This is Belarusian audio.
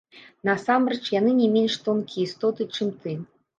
Насамрэч яны не менш тонкія істоты, чым ты.